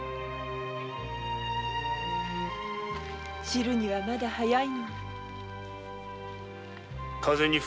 散るにはまだ早いのに。